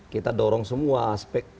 kita dorong semua aspek